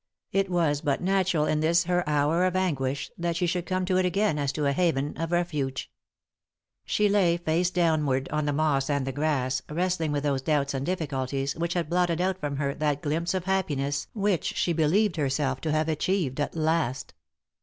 It was but natural, in this her hour of anguish, that she should come to ft again, as to a haven of refuge. She lay, face down ward, on the moss and the grass, wrestling with those doubts and difficulties which had blotted out from her that glimpse of happiness which she be lieved herself to have achieved at last.